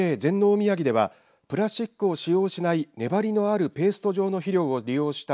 みやぎではプラスチックを使用しない粘りのあるペースト状の肥料を利用した。